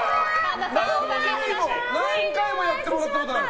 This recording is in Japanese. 何回もやってもらったことある。